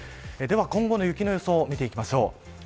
今後の雪の予想を見てみましょう。